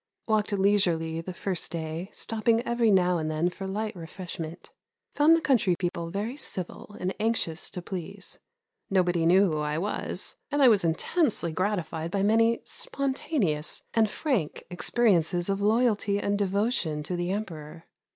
Walked leisurely the first day, stopping every now and then for light refreshment. Found the country people very civil and anxious to please. Nobody knew who I was, and I was intensely gratified by many spontaneous and frank experiences of loyalty and devotion to the Emperor.